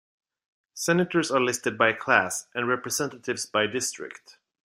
Senators are listed by class, and Representatives by district.